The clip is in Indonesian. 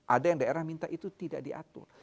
ada yang daerah minta itu tidak diatur